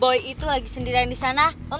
boy itu lagi sendirian di sana om